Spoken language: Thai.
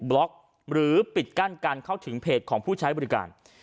ล็อกหรือปิดกั้นการเข้าถึงเพจของผู้ใช้บริการ